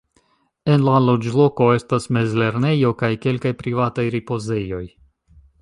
En la loĝloko estas mez-lernejo kaj kelkaj privataj ripozejoj.